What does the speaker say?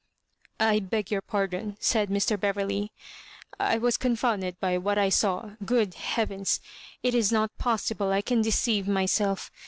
" I beg your pardon," said Mr. Beverley. "I was confounded by what I saw. Good heavens | it is not possible I can deceive mjrself.